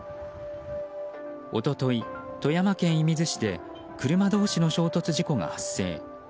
一昨日、富山県射水市で車同士の衝突事故が発生。